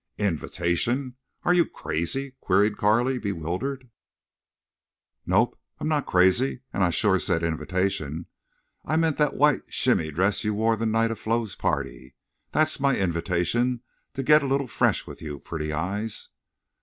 "Invitation!... Are you crazy?" queried Carley, bewildered. "Nope, I'm not crazy, an' I shore said invitation.... I meant thet white shimmy dress you wore the night of Flo's party. Thet's my invitation to get a little fresh with you, Pretty Eyes!"